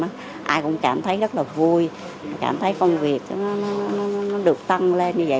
ai cũng cảm thấy rất là vui cảm thấy công việc nó được tăng lên như vậy